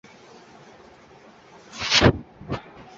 সুতরাং অনতিবিলম্বে থানায় হল আমার গতি।